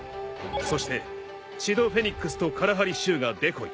そしてシドフェニックスとカラハリシュウがデコイ。